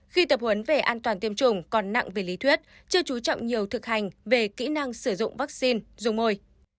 khi tập huấn về an toàn tiêm chủng còn nặng về lý thuyết chưa trú trọng nhiều thực hành về kỹ năng sử dụng vaccine dùng môi